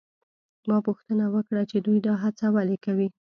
ما پوښتنه وکړه چې دوی دا هڅه ولې کوي؟